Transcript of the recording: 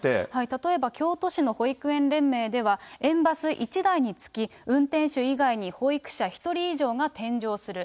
例えば京都市の保育園連盟では、園バス１台につき、運転手以外に保育者１人以上が添乗する。